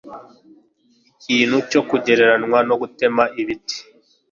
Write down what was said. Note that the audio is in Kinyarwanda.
Ikintu cyo kugereranwa no gutema ibiti